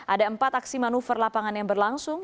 ada empat aksi manuver lapangan yang berlangsung